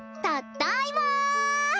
たっだいま！